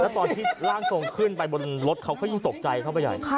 ตอนที่ร่างทรงขึ้นไปบนรถเขาก็ยิ่งตกใจเข้าไปใหญ่